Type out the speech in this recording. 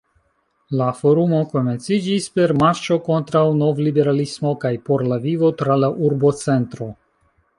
La forumo komenciĝis per “marŝo kontraŭ novliberalismo kaj por la vivo tra la urbocentro.